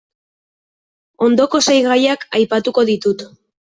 Ondoko sei gaiak aipatuko ditut.